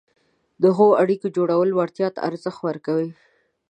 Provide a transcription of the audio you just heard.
د ښو اړیکو جوړولو وړتیا ته ارزښت ورکوي،